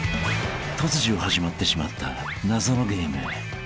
［突如始まってしまった謎のゲーム］